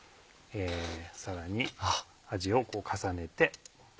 さらにあじを重ねて。